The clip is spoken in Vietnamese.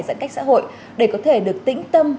giãn cách xã hội để có thể được tĩnh tâm